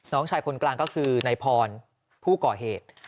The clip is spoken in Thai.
น้องชายคนกลางก็คือนายพรผู้ก่อเหตุ